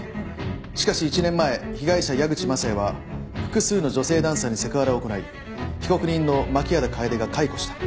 しかし１年前被害者矢口雅也は複数の女性ダンサーにセクハラを行い被告人の槇原楓が解雇した。